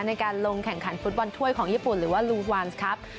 ในการลงแข่งขันฟุตบอลถ้วยของญี่ปุ่นหรือว่าลูวานส์ครับ